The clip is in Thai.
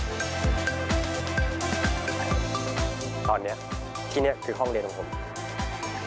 ตอนนี้ที่นี่คือห้องเรียนของผม